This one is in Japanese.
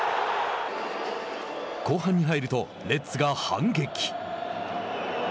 後半に入るとレッズが反撃。